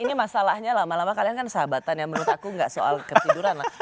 ini masalahnya lama lama kalian kan sahabatan yang menurut aku nggak soal ketiduran lah